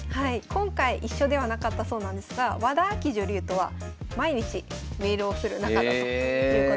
今回一緒ではなかったそうなんですが和田あき女流とは毎日メールをする仲だということで。